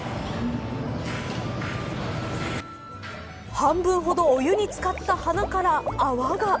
半分ほどお湯に漬かった鼻から泡が。